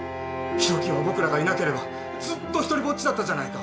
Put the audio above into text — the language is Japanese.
博喜は僕らがいなければずっと独りぼっちだったじゃないか。